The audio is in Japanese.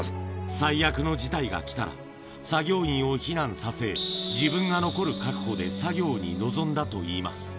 最悪の事態がきたら、作業員を避難させ、自分が残る覚悟で作業に臨んだといいます。